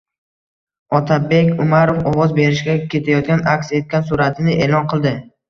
Otabek Umarov ovoz berishga ketayotgani aks etgan suratini e’lon qildi